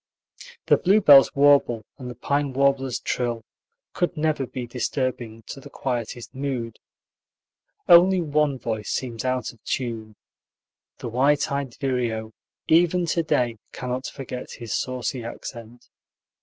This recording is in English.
The bluebird's warble and the pine warbler's trill could never be disturbing to the quietest mood. Only one voice seems out of tune: the white eyed vireo, even to day, cannot forget his saucy accent.